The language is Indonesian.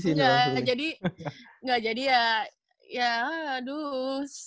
enggak jadi wuih enggahlah ya ampun